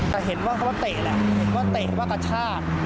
แต่เห็นว่าเขาก็เตะแหละเห็นว่าเตะว่ากระชาก